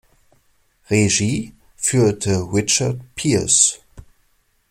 Regie führte Richard Pierce.